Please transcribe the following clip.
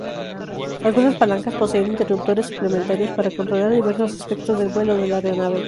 Algunas palancas poseen interruptores suplementarios para controlar diversos aspectos del vuelo de la aeronave.